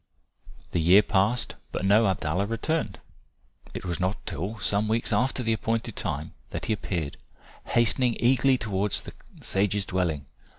The year passed. But no Abdallah returned. It was not till some weeks after the appointed time that he appeared hastening eagerly towards the sage's dwelling.